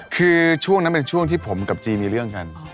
คือช่วงนั้นเป็นช่วงที่ผมกับจีมีเรื่องกัน